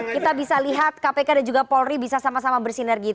kita bisa lihat kpk dan juga polri bisa sama sama bersinergi